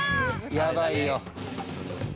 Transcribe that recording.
やばいよ。